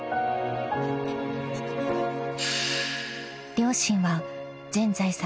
［両親は全財産